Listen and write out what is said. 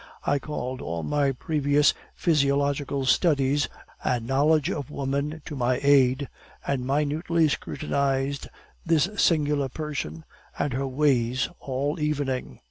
I called all my previous physiological studies and knowledge of woman to my aid, and minutely scrutinized this singular person and her ways all evening.